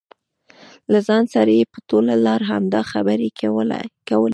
له ځان سره یې په ټوله لار همدا خبرې کولې.